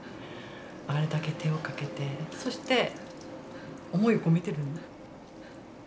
あれだけ手をかけてそして思いを込めてる。